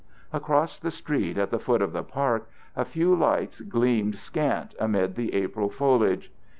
Across the street at the foot of the park a few lights gleamed scant amid the April foliage.